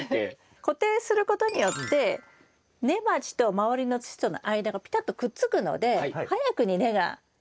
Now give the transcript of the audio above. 固定することによって根鉢と周りの土との間がぴたっとくっつくので早くに根が張る。